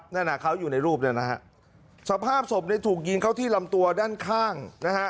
นั่นอ่ะเขาอยู่ในรูปเนี่ยนะฮะสภาพศพเนี่ยถูกยิงเข้าที่ลำตัวด้านข้างนะฮะ